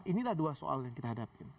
ini adalah dua soal yang kita hadapin